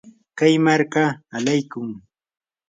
kay marka alaykun.